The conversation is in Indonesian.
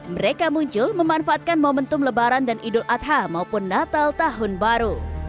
mereka muncul memanfaatkan momentum lebaran dan idul adha maupun natal tahun baru